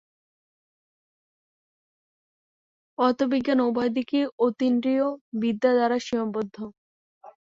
পদার্থবিজ্ঞান উভয় দিকেই অতীন্দ্রিয়বিদ্যা দ্বারা সীমাবদ্ধ।